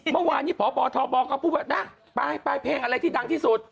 เมื่อวานนี้พบทบก็พูดว่านะไปเพลงอะไรที่ดังที่สุด